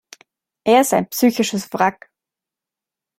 Er ist ein psychisches Wrack.